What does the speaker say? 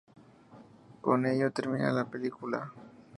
Con ello termina la película.